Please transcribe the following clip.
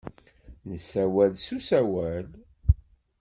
Nessawel s usawal.